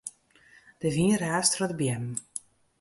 De wyn raast troch de beammen.